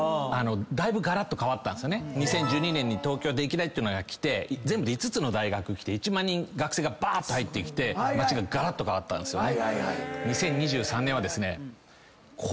２０１２年に東京電機大が来て全部で５つの大学来て１万人学生が入ってきて街ががらっと変わったんですよね。